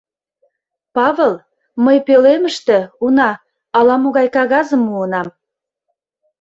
Павыл, мый пӧлемыште, уна, ала-могай кагазым муынам.